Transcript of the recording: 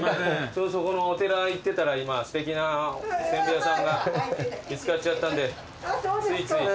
そこのお寺行ってたらすてきなお煎餅屋さんが見つかっちゃったんでついつい。